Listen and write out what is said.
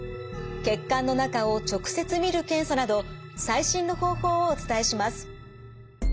血管の中を直接見る検査など最新の方法をお伝えします。